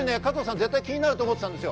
絶対に気になると思ってたんですよ。